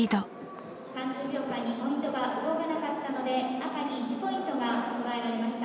「３０秒間にポイントが動かなかったので赤に１ポイントが加えられました。